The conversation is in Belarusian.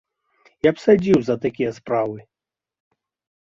Я б садзіў за такія справы!